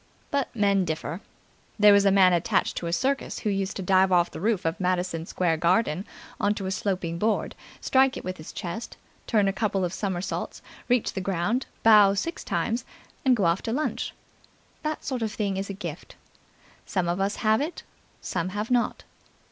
But men differ. There was a man attached to a circus who used to dive off the roof of Madison Square Garden on to a sloping board, strike it with his chest, turn a couple of somersaults, reach the ground, bow six times and go off to lunch. That sort of thing is a gift. Some of us have it, some have not.